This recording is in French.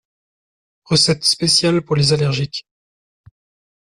Recette spéciale pour les allergiques.